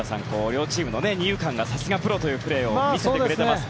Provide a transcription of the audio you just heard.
両チームの二遊間がさすがプロというプレーを見せてくれています。